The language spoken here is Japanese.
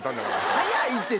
はい。